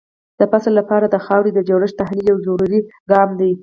د فصل لپاره د خاورې د جوړښت تحلیل یو ضروري ګام دی.